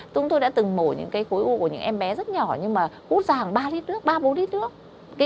tụi tôi đã từng mổ những cái khối u của những em bé rất nhỏ nhưng mà hút ra hàng ba lít nước ba bốn lít nước